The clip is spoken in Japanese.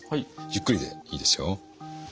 ゆっくりでいいですよ。